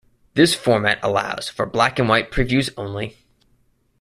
This format allows for black-and-white previews only.